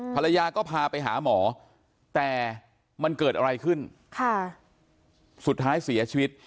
ภรรยาก็พาไปหาหมอแต่มันเกิดอะไรขึ้นสุดท้ายเสียชีวิต